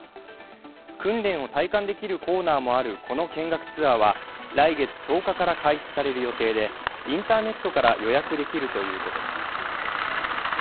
訓練を体感できるコーナーもあるこの見学ツアーは来月１０日から開始される予定でインターネットから予約できるということです。